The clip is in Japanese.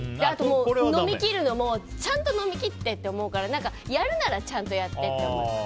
飲み切るのもちゃんと飲み切ってって思うからやるならちゃんとやってって思う。